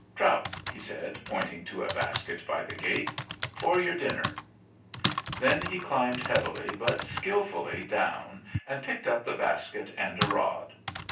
"Trout," he said, pointing to a basket by the gate. "For your dinner. "Then he climbed heavily but skilfully down and picked up the basket and a rod.